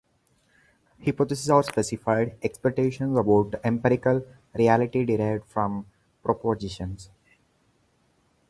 Hypotheses are specified expectations about empirical reality derived from propositions.